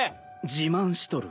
自慢しとる。